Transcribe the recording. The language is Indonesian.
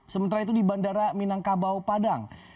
sementara itu di bandara minangkabau padang